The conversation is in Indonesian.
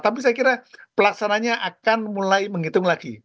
tapi saya kira pelaksananya akan mulai menghitung lagi